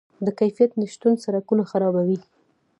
د کیفیت نشتون سرکونه خرابوي.